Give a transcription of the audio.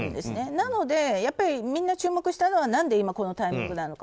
なので、みんな注目したのは何で今、このタイミングなのか。